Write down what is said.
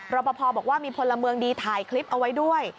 ปภบอกว่ามีพลเมืองดีถ่ายคลิปเอาไว้ด้วย